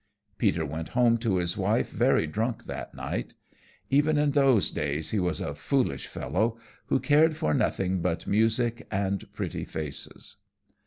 Peter went home to his wife very drunk that night. Even in those days he was a foolish fellow, who cared for nothing but music and pretty faces.